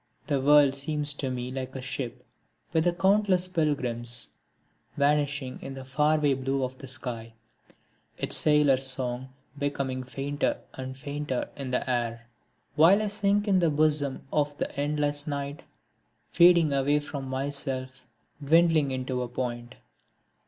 The world seems to me like a ship with its countless pilgrims, Vanishing in the far away blue of the sky, Its sailors' song becoming fainter and fainter in the air, While I sink in the bosom of the endless night, fading away from myself, dwindling into a point.